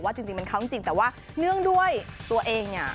จริงเป็นเขาจริงแต่ว่าเนื่องด้วยตัวเองเนี่ย